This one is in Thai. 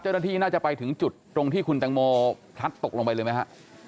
น่าจะไปถึงจุดตรงที่คุณแตงโมพลัดตกลงไปเลยไหมฮะ